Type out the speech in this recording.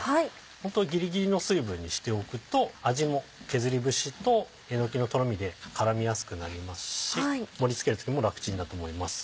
ホントぎりぎりの水分にしておくと味も削り節とえのきのとろみで絡みやすくなりますし盛り付ける時も楽チンだと思います。